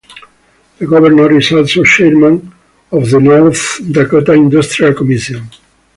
The Governor is also chairman of the North Dakota Industrial Commission.